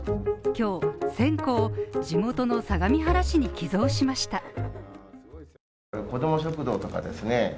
今日１０００個を、地元の相模原市に寄贈しました。